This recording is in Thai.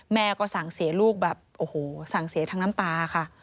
แม่ก็สั่งเสียลูกแบบโอ้โหสั่งเสียทั้งน้ำตาค่ะ